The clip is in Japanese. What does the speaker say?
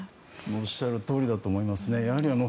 おっしゃるとおりだと思いますね。